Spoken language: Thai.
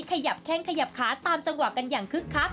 ขยับแข้งขยับขาตามจังหวะกันอย่างคึกคัก